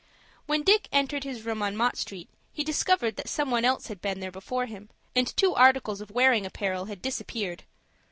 When Dick entered his room on Mott Street, he discovered that some one else had been there before him, and two articles of wearing apparel had disappeared.